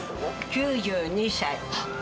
９２歳。